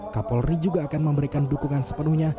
kapolri juga akan memberikan dukungan sepenuhnya